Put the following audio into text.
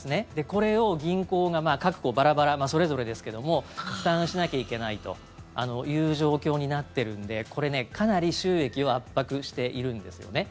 これを銀行が、各行バラバラそれぞれですけども負担しなきゃいけないという状況になっているんでこれ、かなり収益を圧迫しているんですよね。